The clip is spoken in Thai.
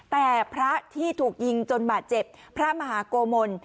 แต่พระที่ถูกยิงจนบาดเจ็บพระมหาโกมล